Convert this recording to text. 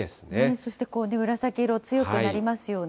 そして紫色、強くなりますよね。